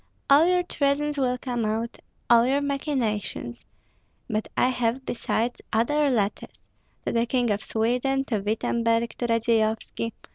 All your treasons will come out, all your machinations. But I have, besides, other letters, to the King of Sweden, to Wittemberg, to Radzeyovski.